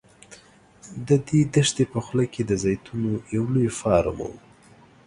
د دې دښتې په خوله کې د زیتونو یو لوی فارم و.